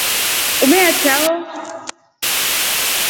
Umelya chao?